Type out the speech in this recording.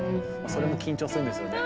それも緊張するんですよね。